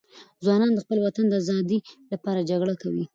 ځوانان د خپل وطن د آزادي لپاره جګړه کوي.